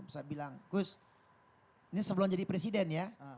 saya bilang gus ini sebelum jadi presiden ya